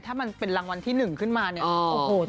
ถ้ามันเป็นรางวัลที่หนึ่งขึ้นมาเนี่ย